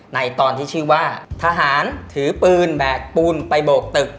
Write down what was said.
ในตอนที่ชื่อว่าทหารถือปืนแบกปูนไปโบกตึก